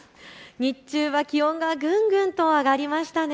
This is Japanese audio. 日中は気温がぐんぐん上がりましたね。